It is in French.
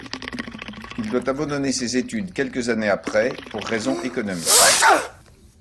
Il doit abandonner ses études quelques années après pour raisons économiques.